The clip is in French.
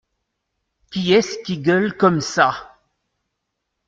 Qui est-ce qui gueule comme ça !